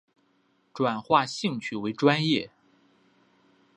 转化兴趣为专业